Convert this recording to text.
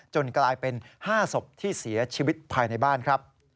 กลายเป็น๕ศพที่เสียชีวิตภายในบ้านครับ